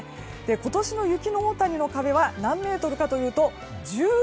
今年の雪の大谷の壁は何メートルかというと１８ｍ。